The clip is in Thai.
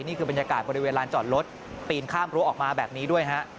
นี่คือบรรยากาศบริเวณลานจอดรถปีนข้ามรั้วออกมาแบบนี้ด้วยฮะ